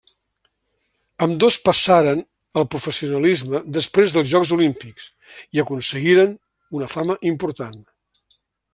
Ambdós passaren al professionalisme després dels Jocs Olímpics i aconseguiren una fama important.